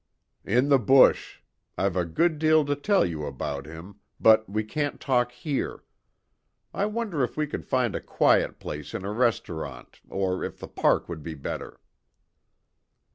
"In the bush; I've a good deal to tell you about him, but we can't talk here. I wonder if we could find a quiet place in a restaurant, or if the park would be better."